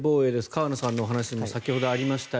河野さんのお話にも先ほどありました